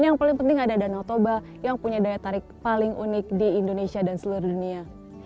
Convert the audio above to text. yang paling penting ada danau toba yang punya daya tarik paling unik di indonesia dan seluruh dunia